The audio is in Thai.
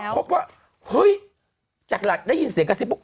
พบว่าเฮ้ยจากหลักได้ยินเสียงกระซิบปุ๊